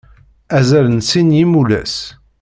Azal n sin n yimulas.